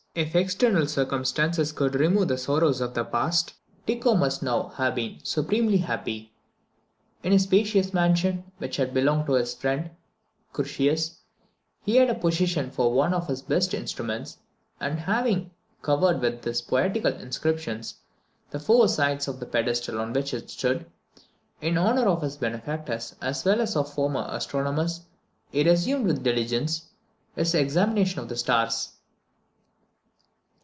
If external circumstances could remove the sorrows of the past, Tycho must now have been supremely happy. In his spacious mansion, which had belonged to his friend Curtius, he found a position for one of his best instruments, and having covered with poetical inscriptions the four sides of the pedestal on which it stood, in honour of his benefactors, as well as of former astronomers, he resumed with diligence his examination of the stars.